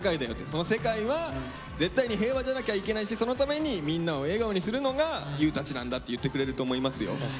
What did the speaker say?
「その世界は絶対に平和じゃなきゃいけないしそのためにみんなを笑顔にするのがＹｏｕたちなんだ」って言ってくれると思いますよ。